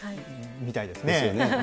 みたいですね。